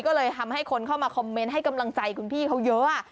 ก็เลยทำให้คนเข้ามาคอมเมนต์ให้กำลังใจคุณพี่เขาเยอะ